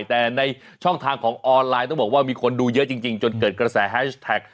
แต่ในช่องทางของออนไลน์ต้องบอกว่ามีคนดูเยอะจริงจนเกิดกระแสแฮชแท็ก